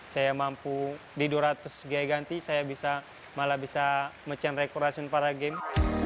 saya mampu di dua ratus giga ganti saya malah bisa mecen rekorasi para game